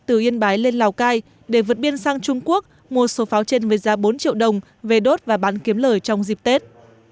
từ yên bái lên lào cai để vượt biên sang trung quốc mua số pháo trên với giá bốn triệu đồng về đốt và bán kiếm lời trong dịp tết